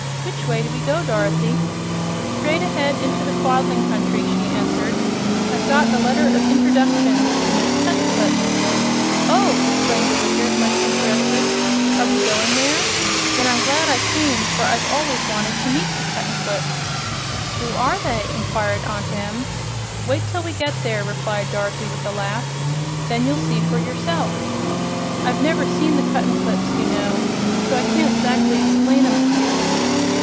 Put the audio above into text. "Which way do we go, Dorothy?" "Straight ahead into the Quadling Country," she answered. "I've got a letter of interduction to Miss Cuttenclip." "Oh!" exclaimed the Wizard, much interested. "Are we going there? Then I'm glad I came, for I've always wanted to meet the Cuttenclips." "Who are they?" inquired Aunt Em. "Wait till we get there," replied Dorothy, with a laugh; "then you'll see for yourself. I've never seen the Cuttenclips, you know, so I can't 'zactly 'splain 'em to you."